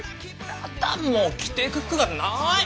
やだーもう着ていく服がない！